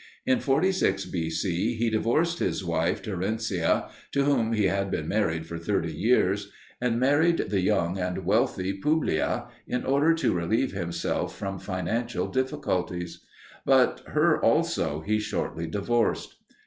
In 46 B.C. he divorced his wife Terentia, to whom he had been married for thirty years and married the young and wealthy Publilia in order to relieve himself from financial difficulties; but her also he shortly divorced.